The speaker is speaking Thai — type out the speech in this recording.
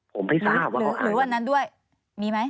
ผมไม่ทราบว่าเขาอ่าน